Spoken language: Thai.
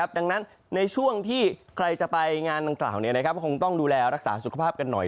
ดังนั้นในช่วงที่ใครจะไปงานดังกล่าวคงต้องดูแลรักษาสุขภาพกันหน่อย